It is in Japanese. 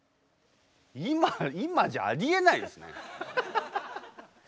今じゃありえないですね。